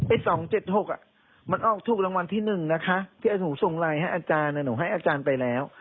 ไอ๒๗๖มันออกทุกรางวัลที่หนึ่งนะคะคล์วีดูส่งไลน์ให้อาจารย์แล้วหนูให้อาจารย์ไปแล้ว